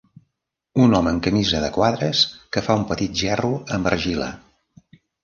Un home amb camisa de quadres, que fa un petit gerro amb argila.